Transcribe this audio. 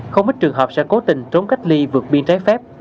không ít trường hợp sẽ cố tình trốn cách ly vượt biên trái phép